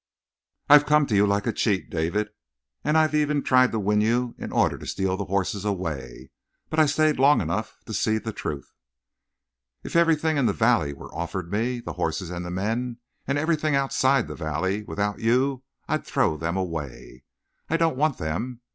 "I've come to you like a cheat, David, and I've tried to win you in order to steal the horses away, but I've stayed long enough to see the truth. "If everything in the valley were offered me the horses and the men and everything outside of the valley, without you, I'd throw them away. I don't want them.